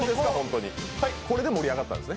これで盛り上がったんですね？